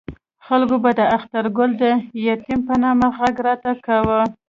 خلکو به د اخترګل د یتیم په نامه غږ راته کاوه.